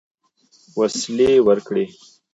وسلې ورکړې.